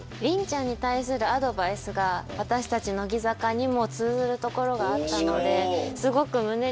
凛ちゃんに対するアドバイスが私たち乃木坂にも通ずるところがあったので。